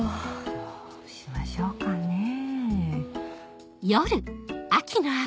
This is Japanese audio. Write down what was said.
どうしましょうかねぇ。